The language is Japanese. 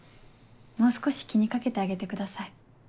もう少し気に掛けてあげてください。